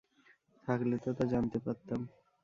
থাকলে তো তা জানতে পারতাম।